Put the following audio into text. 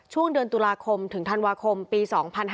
ช่วงเดือนตุลาคมถึงธันวาคมปี๒๕๕๙